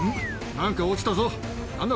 何か落ちたぞ何だ？